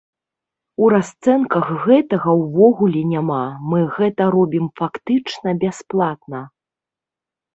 У расцэнках гэтага ўвогуле няма, мы гэта робім фактычна бясплатна.